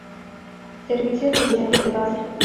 Servicios sociales de base.